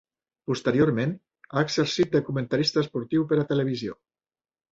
Posteriorment, ha exercit de comentarista esportiu per a televisió.